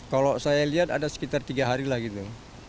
kalau saya lihat ada sekitar tiga hari lah gitu